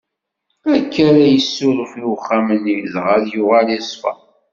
Akka ara yessuref i uxxam-nni, dɣa ad yuɣal iṣfa.